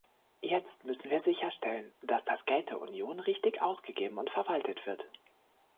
Jetzt müssen wir sicherstellen, dass das Geld der Union richtig ausgegeben und verwaltet wird.